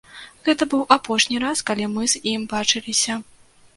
Гэта быў апошні раз, калі мы з ім бачыліся.